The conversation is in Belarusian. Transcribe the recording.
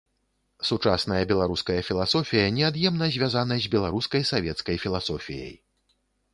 Сучасная беларуская філасофія неад'емна звязана з беларускай савецкай філасофіяй.